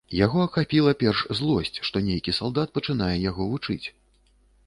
Яго ахапіла перш злосць, што нейкі салдат пачынае яго вучыць.